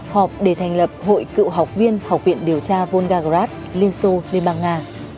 hoặc để thành lập hội cựu học viên học viện điều tra volgagras liên xô liên bang nga